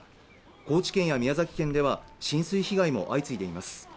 高知県や宮崎県では浸水被害も相次いでいます。